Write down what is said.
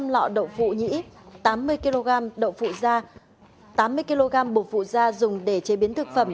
ba trăm linh lọ đậu phụ nhĩ tám mươi kg đậu phụ da tám mươi kg bột phụ da dùng để chế biến thực phẩm